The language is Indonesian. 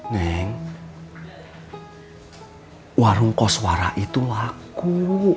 neng warung koswara itu laku